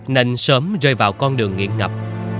nên sớm rơi vào con đường nghiện ngập